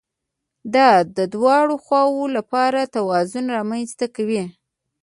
دا د دواړو خواوو لپاره توازن رامنځته کوي